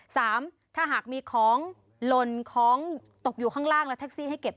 สามถ้าหากมีของหล่นของตกอยู่ข้างล่างแล้วแท็กซี่ให้เก็บ